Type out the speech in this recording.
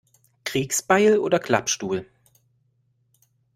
Kriegsbeil oder Klappstuhl?